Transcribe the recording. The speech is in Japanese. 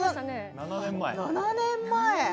７年前。